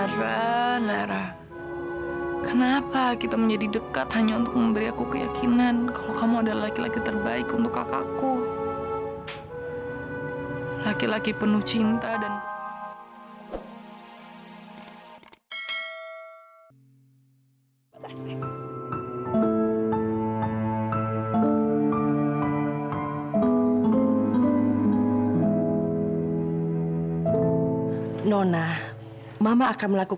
sampai jumpa di video selanjutnya